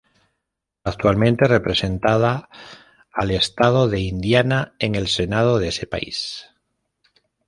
Actualmente representada al estado de Indiana en el Senado de ese país.